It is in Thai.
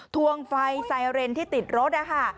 ทวงไฟไซเรนที่ติดรถนะคะ